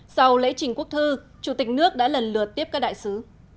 sau lễ trình quốc thư chủ tịch nước đã lần lượt tiếp các đại sứ